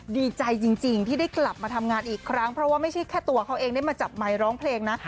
ดีใจจริงที่ได้กลับมาทำงานอีกครั้งเพราะว่าไม่ใช่แค่ตัวเขาเองได้มาจับไมค์ร้องเพลงนะ